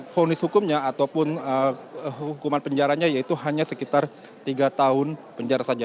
fonis hukumnya ataupun hukuman penjaranya yaitu hanya sekitar tiga tahun penjara saja